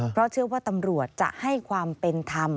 เพราะเชื่อว่าตำรวจจะให้ความเป็นธรรม